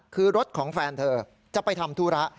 คือรถของแฟนเธอจะไปทำธุระ